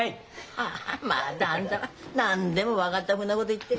はあまたあんたは何でも分かったふうなこと言って。